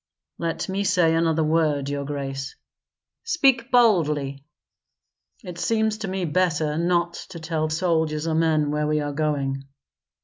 Let me say another word, your grace." "Speak boldly." "It seems to me better not to tell soldiers or men where we are going."